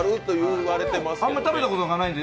あんま食べたことがないので。